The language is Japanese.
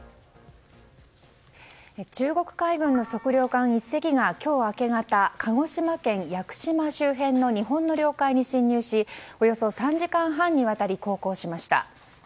中国海軍の測量艦１隻が今日明け方鹿児島県屋久島周辺の日本の領海に侵入しおよそ３時間半にわたり航行しました。